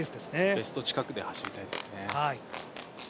ベスト近くで走りたいですね。